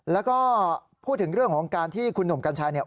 แล้วก็พูดถึงเรื่องของการที่คุณหนุ่มกัญชัยเนี่ย